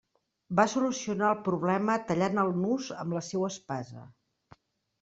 Va solucionar el problema tallant el nus amb la seua espasa.